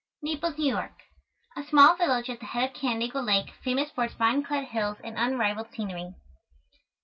NAPLES, NEW YORK. A small village at the head of Canandaigua Lake, famous for its vine clad hills and unrivaled scenery.